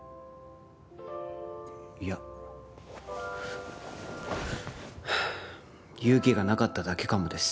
いやはぁ勇気がなかっただけかもです。